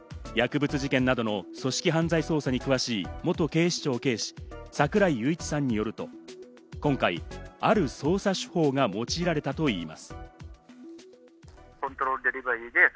薬物事件などの組織犯罪捜査に詳しい元警視庁・櫻井裕一さんによると、今回、ある捜査手法が用いられたといいます。